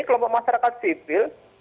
kelompok masyarakat sibil